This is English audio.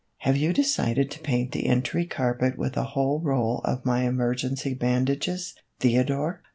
" Have you decided to paint the entry carpet with a whole roll of my emergency bandages, Theodore